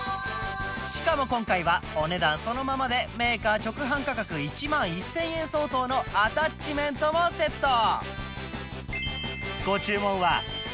しかも今回はお値段そのままでメーカー直販価格１万１０００円相当のアタッチメントもセット